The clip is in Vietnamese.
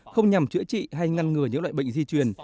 không nhằm chữa trị hay ngăn ngừa những loại bệnh di truyền